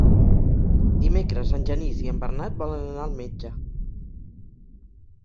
Dimecres en Genís i en Bernat volen anar al metge.